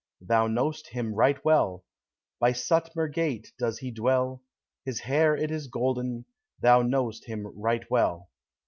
Thou know'st him right well, By Suttmer gate does he dwell, His hair it is golden, Thou know'st him right well."